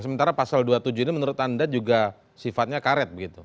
sementara pasal dua puluh tujuh ini menurut anda juga sifatnya karet begitu